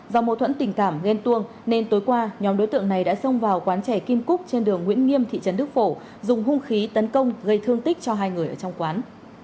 do mâu thuẫn tình cảm ghen tuông nên tối qua nhóm đối tượng này đã xông vào quán trẻ kim cúc trên đường nguyễn nghiêm thị trấn đức phổ dùng hung khí tấn công gây thương tích cho hai người ở trong quán